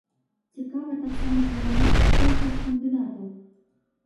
Цікава таксама параўнаць колкасць кандыдатаў.